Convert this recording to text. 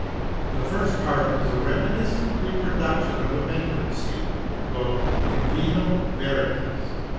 The first part i's a reminiscent reproduction of a banquet scene, "In vino veritas."